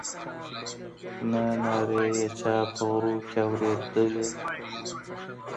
نه نارې یې چا په غرو کي اورېدلې